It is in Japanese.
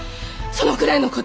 そのくらいの事。